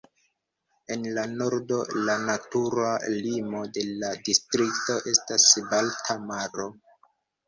En la nordo, la natura limo de la distrikto estas la Balta Maro.